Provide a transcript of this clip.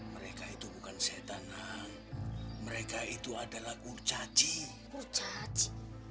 mereka itu bukan setan mereka itu adalah kurcaci curcaci